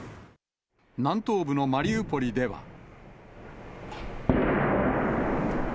南東部のマリウポリでは。